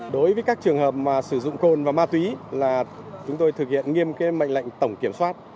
đối với các trường hợp mà sử dụng côn và ma túy là chúng tôi thực hiện nghiêm mệnh lệnh tổng kiểm soát